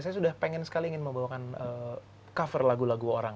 saya sudah pengen sekali ingin membawakan cover lagu lagu orang